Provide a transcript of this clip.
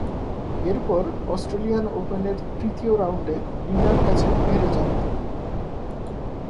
এরপর অস্ট্রেলিয়ান ওপেনের তৃতীয় রাউন্ডে লি না’র কাছে হেরে যান তিনি।